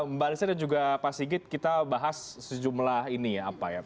mbak lisa dan juga pak sigit kita bahas sejumlah ini ya apa ya